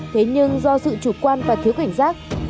thế nhưng do sự chủ quan và thiếu cảnh giác